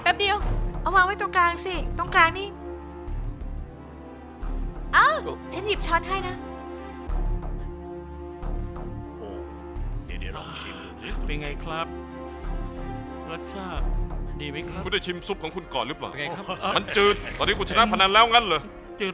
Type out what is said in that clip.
เดียวเอาวางไว้ตรงกลางสิตรงกลางนี้